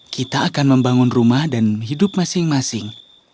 kita akan membangun rumah dan hidup masing masing